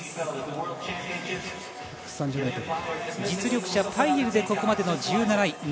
実力者、パイエルでここまでの１７位。